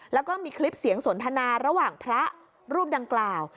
แล้วก็มีคลิปเสียงสนทนาระหว่างพระรูปดังกล่าว